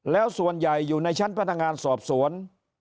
แล้วส่วนใหญ่อยู่ในชั้นพนักงานสอบสวน